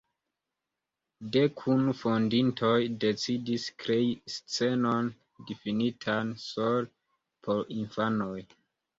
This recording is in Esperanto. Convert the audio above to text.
Dek unu fondintoj decidis krei scenon difinitan sole por infanoj.